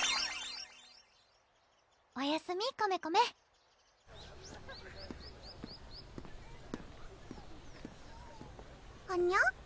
おやすみコメコメはにゃ？